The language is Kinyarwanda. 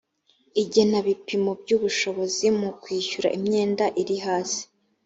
igenabipimo by’ ubushobozi mu kwishyura imyenda iri hasi